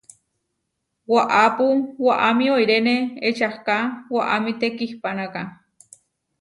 Waʼápu waʼámi oiréne ečahká waʼámi tekihpánaka.